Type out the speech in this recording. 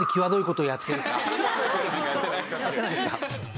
やってないですか？